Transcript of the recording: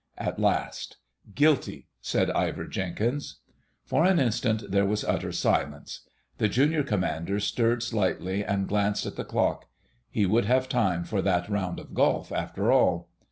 At last: "Guilty," said Ivor Jenkins. For an instant there was utter silence. The junior Commander stirred slightly and glanced at the clock: he would have time for that round of golf after all.